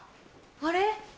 あれ？